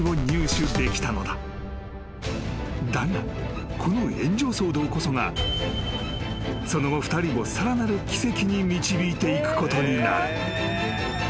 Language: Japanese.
［だがこの炎上騒動こそがその後２人をさらなる奇跡に導いていくことになる］